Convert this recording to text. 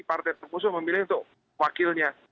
partai pengusung memilih untuk wakilnya